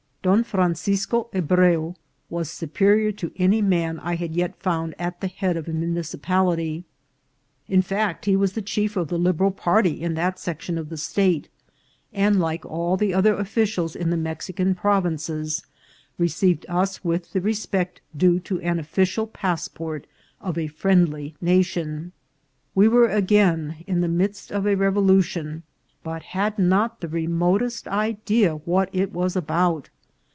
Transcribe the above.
Don Francisco Hebreu was superior to any man I had yet found at the head of a municipality ; in fact, he was chief of the Liberal party in that section of the state, and, like all the other officials in the Mexican provin ces, received us with the respect due to an official passport of a friendly nation. We were again in the midst of a revolution, but had not the remotest idea what it was about.